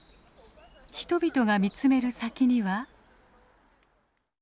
人々が見つめる先には？